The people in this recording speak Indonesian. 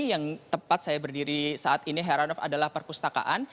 yang tepat saya berdiri saat ini heranov adalah perpustakaan